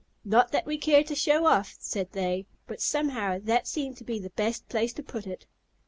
"Not that we care to show off," said they, "but somehow that seemed to be the best place to put it."